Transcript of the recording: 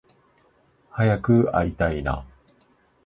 早く会いたいな